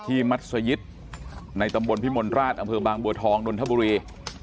ที่มัตโสยิชในตำบลพิมลราชอำเภียบางบัวทองนรฑบุรี